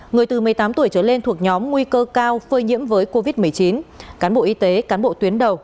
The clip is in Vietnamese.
người từ một mươi tám tuổi trở lên thuộc nhóm nguy cơ cao phơi nhiễm với covid một mươi chín cán bộ y tế cán bộ tuyến đầu